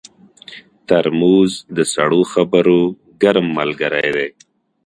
ترموز د سړو خبرو ګرم ملګری دی.